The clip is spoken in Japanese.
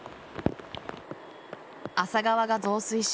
厚狭川が増水し